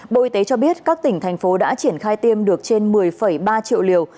bộ y tế cho biết các tỉnh thành phố đã triển khai tiêm được trên một mươi ba triệu liều